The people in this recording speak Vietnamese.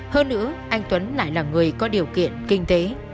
hơn nữa anh tuấn lại là người có điều kiện kinh tế